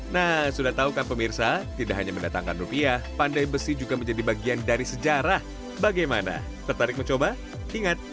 nah sudah tahu kan pemirsa tidak hanya mendatangkan rupiah pandai besi juga menjadi bagian dari sejarah bagaimana tertarik mencoba ingat